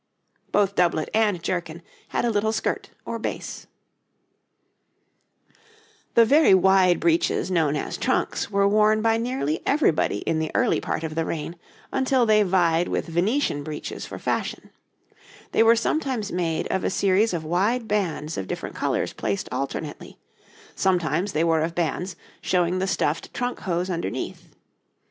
Both doublet and jerkin had a little skirt or base. [Illustration: {Three types of doublet; two types of epaulette}] The very wide breeches known as trunks were worn by nearly everybody in the early part of the reign, until they vied with Venetian breeches for fashion. They were sometimes made of a series of wide bands of different colours placed alternately; sometimes they were of bands, showing the stuffed trunk hose underneath.